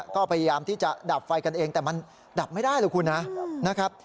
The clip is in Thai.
ก็พยายามที่จะดับไฟกันเองแต่มันดับไม่ได้หรอกคุณนะครับ